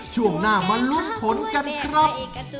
ช่วงหน้ามาลุ้นผลกันครับ